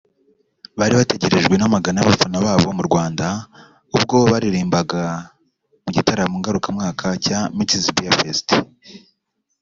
bari bategerejwe n’amagana y’abafana babo mu Rwanda ubwo baririmbaga mu gitaramo ngarukamwaka cya Mützig Beer Fest